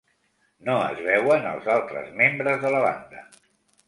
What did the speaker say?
No es veuen els altres membres de la banda.